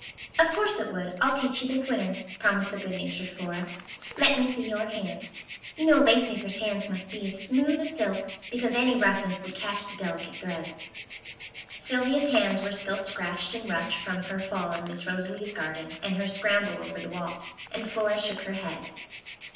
"Of course it would. I'll teach you this winter," promised the good natured Flora; "let me see your hands. You know a lace maker's hands must be as smooth as silk, because any roughness would catch the delicate threads." Sylvia's hands were still scratched and roughed from her fall in Miss Rosalie's garden and her scramble over the wall, and Flora shook her head.